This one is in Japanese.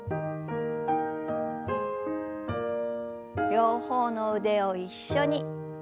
両方の腕を一緒に。